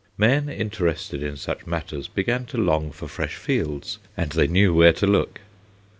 Men interested in such matters began to long for fresh fields, and they knew where to look.